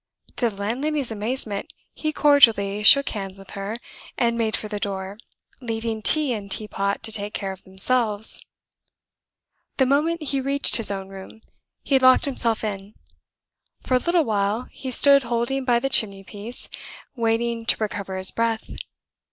To the landlady's amazement, he cordially shook hands with her, and made for the door, leaving tea and tea pot to take care of themselves. The moment he reached his own room, he locked himself in. For a little while he stood holding by the chimney piece, waiting to recover his breath.